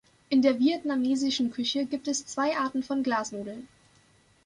In der vietnamesischen Küche gibt es zwei Arten von Glasnudeln.